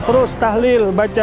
terus tahlil baca